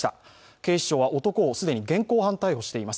警視庁は男を既に現行犯逮捕しています。